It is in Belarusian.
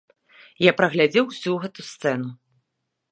Я прагледзеў усю гэту сцэну.